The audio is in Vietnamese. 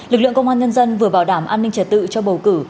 lực lượng công an nhân dân vừa bảo đảm an ninh trật tự cho bầu cử